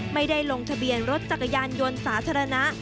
ไม่ได้ลงทะเบียนรถจักรยานยนต์สาธารณะ